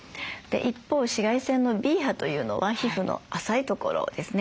一方紫外線のＢ波というのは皮膚の浅いところですね